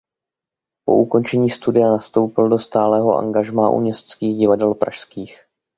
Po ukončení studia nastoupil do stálého angažmá u Městských divadel pražských.